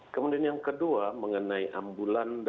kemudian yang kedua mengenai ambulan